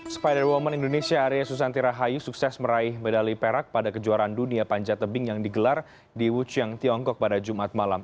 spider woman indonesia arya susanti rahayu sukses meraih medali perak pada kejuaraan dunia panjat tebing yang digelar di wucheng tiongkok pada jumat malam